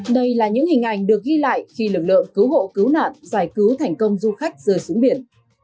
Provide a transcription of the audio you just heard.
đây là những hình ảnh được ghi lại khi lực lượng cứu hộ cứu nạn giải cứu thành công du khách rơi xuống biển